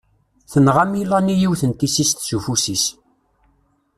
Tenɣa Melanie yiwet n tissist s ufus-is.